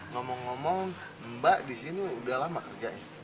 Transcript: ngomong ngomong mbak disini udah lama kerjanya